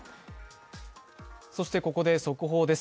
そしてここで速報です。